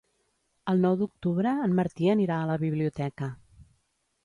El nou d'octubre en Martí anirà a la biblioteca.